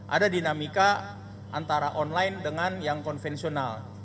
ada dinamika antara online dengan yang konvensional